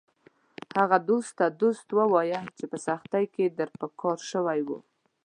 هغه دوست ته دوست ووایه چې په سختۍ کې در په کار شوی و